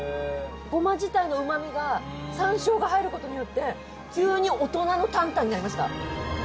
ごま自体のうま味が山椒が入ることによって急に大人の担々になりました。